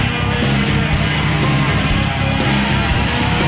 หมวกปีกดีกว่าหมวกปีกดีกว่า